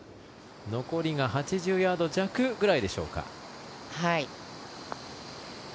残りが８０ヤード弱ぐらいでしょうか。